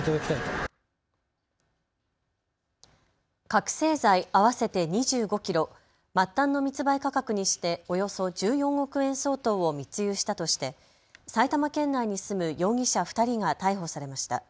覚醒剤合わせて２５キロ、末端の密売価格にしておよそ１４億円相当を密輸したとして埼玉県内に住む容疑者２人が逮捕されました。